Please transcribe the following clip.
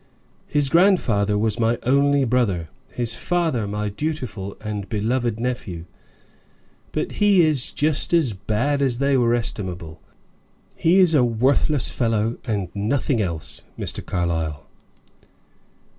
"His grandfather was my only brother, his father my dutiful and beloved nephew; but he is just as bad as they were estimable. He is a worthless fellow and nothing else, Mr. Carlyle."